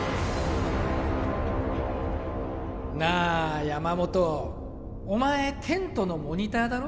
なあ山本お前テントのモニターだろ？